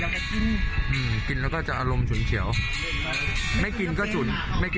มันมันมันเป็นเหมือนที่แบบว่าอะไรอะไรเป็นคนที่อบรมไม่ได้บอกสอนไม่ได้